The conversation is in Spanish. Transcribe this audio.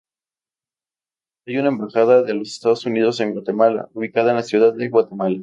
Hay una Embajada de los Estados Unidos en Guatemala, ubicada en Ciudad de Guatemala.